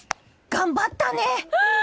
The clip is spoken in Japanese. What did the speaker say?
頑張ったね！